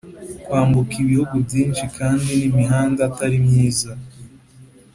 kwambuka ibihugu byinshi kandi n'imihanda atari myiza.